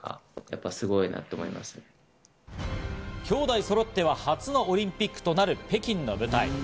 兄弟そろっては初のオリンピックとなる北京の舞台。